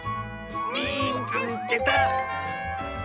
「みいつけた！」。